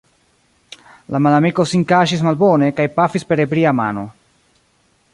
La malamiko sin kaŝis malbone, kaj pafis per ebria mano.